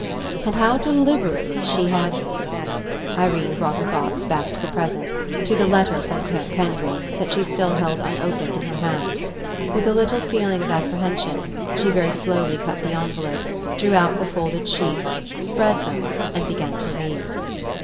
And how deliberately she had — Irene brought her thoughts back to the present, to the letter from Clare Kendry that she still held unopened in her hand. With a lit tle feeling of apprehension, she very slowly cut the envelope, drew out the folded sheets, spread them, and began to read.